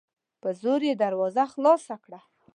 په زور یې دروازه خلاصه کړه